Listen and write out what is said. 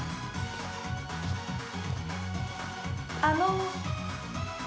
あの。